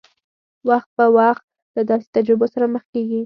وخت په وخت له داسې تجربو سره مخ کېږي.